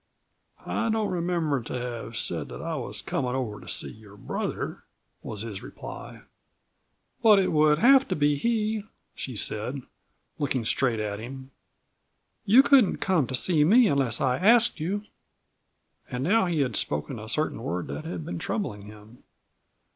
"I don't remember to have said that I was comin' over to see your brother," was his reply. "But it would have to be he," she said, looking straight at him. "You couldn't come to see me unless I asked you." And now he had spoken a certain word that had been troubling him.